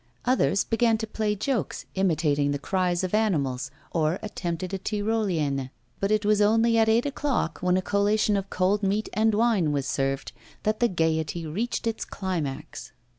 Others began to play jokes, imitated the cries of animals, or attempted a tyrolienne. But it was only at eight o'clock, when a collation of cold meat and wine was served, that the gaiety reached its climax.